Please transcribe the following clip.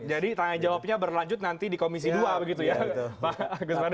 jadi tanggainya berlanjut nanti di komisi dua begitu ya pak agus wadi